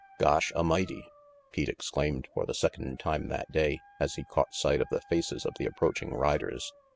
" Gosh A'mighty !" Pete exclaimed for the second time that day, as he caught sight of the faces of the approaching riders.